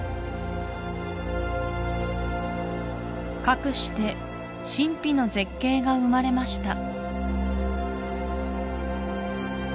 かくして神秘の絶景が生まれました